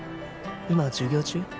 今授業中？